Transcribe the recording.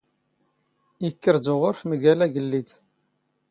ⵉⴽⴽⵔ ⴷ ⵓⵖⵔⴼ ⵎⴳⴰⵍ ⴰⴳⵍⵍⵉⴷ.